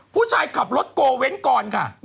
ผู้ชายขับรถโกเว้นก่อนค่ะ